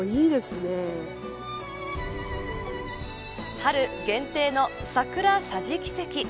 春限定の桜桟敷席。